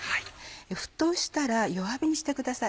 沸騰したら弱火にしてください。